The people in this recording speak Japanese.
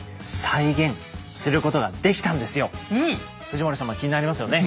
藤森さんも気になりますよね？